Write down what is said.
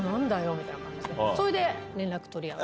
みたいな感じでそれで連絡取り合って。